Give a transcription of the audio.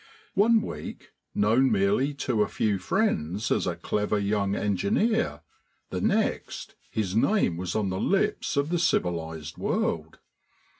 One week known merely to a few friends as a clever young engineer, the next his name was on the lips of the civilised world.